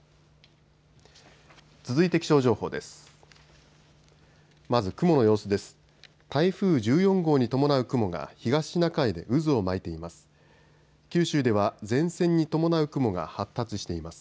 続いて気象情報です。